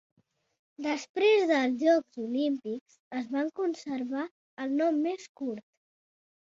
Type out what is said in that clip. Després dels Jocs Olímpics es van conservar el nom més curt.